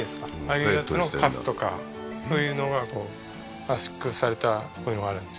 ああいうやつのカスとかそういうのがこう圧縮されたこういうのがあるんですよ